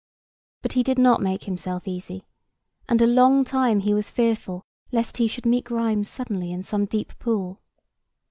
But he did not make himself easy; and a long time he was fearful lest he should meet Grimes suddenly in some deep pool.